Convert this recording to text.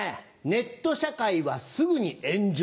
ネット社会はすぐに炎上。